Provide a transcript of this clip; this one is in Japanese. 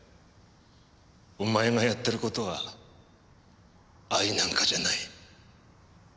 お前がやってる事は愛なんかじゃない。